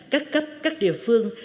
các cấp các địa phương